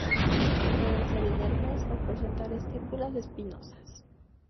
Pueden ser inermes o presentar estípulas espinosas.